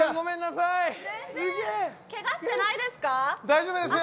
大丈夫ですよ。